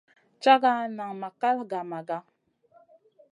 Caga nan ma kal gah Maga.